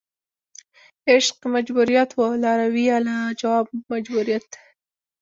عشق مجبوریت وه لارویه لا جواب مجبوریت